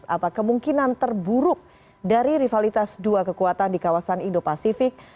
apa kemungkinan terburuk dari rivalitas dua kekuatan di kawasan indo pasifik